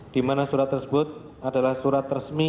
dimana surat tersebut adalah surat resmi